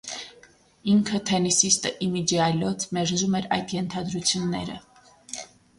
Ինքը՝ թենիսիստը, ի միջի այլոց, մերժում էր այդ ենթադրությունները։